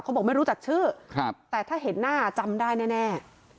บอกไม่รู้จักชื่อแต่ถ้าเห็นหน้าจำได้แน่